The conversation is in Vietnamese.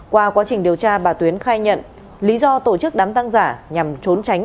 qua quá trình điều tra bà tuyến khai nhận lý do tổ chức đám tăng giả nhằm trốn tránh